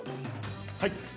はい。